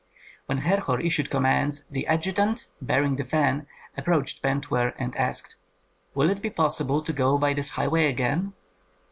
When Herhor issued commands, the adjutant bearing the fan approached Pentuer and asked, "Will it be possible to go by this highway again?"